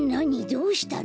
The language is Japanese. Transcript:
どうしたの。